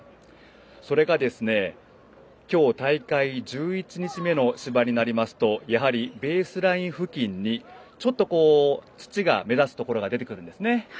それが今日、大会１１日目の芝になりますとやはりベースライン付近にちょっと土が目立つところが出てくるんですね。